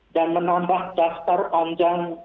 dan menambah daftar panjang